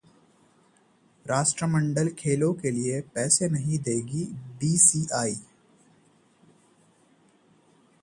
राष्ट्रमंडल खेलों के लिए पैसे नहीं देगा बीसीसीआई